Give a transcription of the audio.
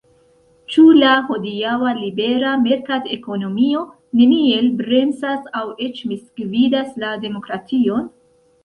Ĉu la hodiaŭa libera merkatekonomio neniel bremsas aŭ eĉ misgvidas la demokration?